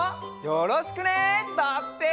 よろしく！